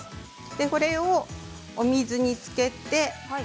これをお水につけまして。